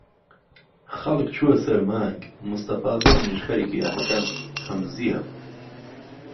خەڵک چووە سەر مانگ مستەفا زەڵمیش خەریکی ئەحکامی هەمزیە